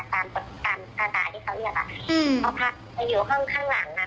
ตรงที่พี่หวังค่ะ